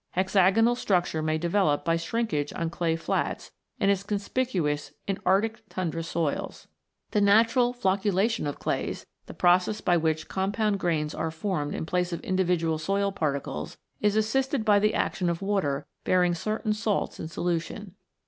Hex agonal structure may develop by shrinkage on clay flats, and is conspicuous in arctic tundra soils (Fig. 8). The natural " flocculation " of clays, the process by which compound grains are formed in place of individual soil par tides, is assisted by the action of water bearing certain salts in solution.